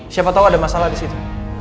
siapa tau ada masalah disitu